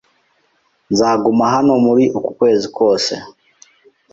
Nzaguma hano muri uku kwezi kose.